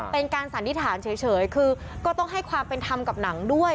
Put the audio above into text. สันนิษฐานเฉยคือก็ต้องให้ความเป็นธรรมกับหนังด้วย